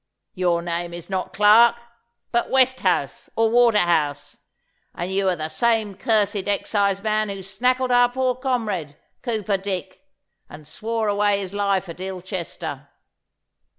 Your name is not Clarke, but Westhouse, or Waterhouse, and you are the same cursed exciseman who snackled our poor comrade, Cooper Dick, and swore away his life at Ilchester.